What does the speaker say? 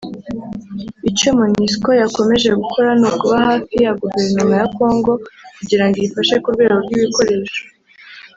Icyo Monusco yakomeje gukora ni ukuba hafi ya guverinoma ya Congo kugira ngo iyifashe ku rwego rw’ibikoresho